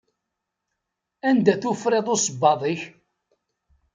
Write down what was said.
Anda-t ufriḍ usebbaḍ-ik?